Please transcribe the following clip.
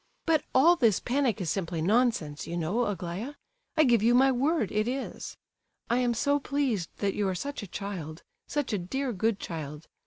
But all this panic is simply nonsense, you know, Aglaya! I give you my word it is; I am so pleased that you are such a child, such a dear good child.